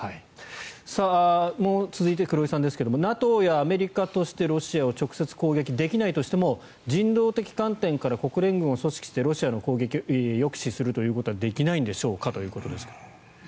続いて黒井さんですがＮＡＴＯがアメリカとしてロシアを直接攻撃できないとしても人道的観点から国連軍を組織してロシアの攻撃を抑止するということはできないんでしょうかということですけども。